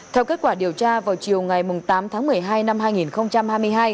theo kết quả điều tra vào chiều ngày tám tháng một mươi hai năm hai nghìn hai mươi hai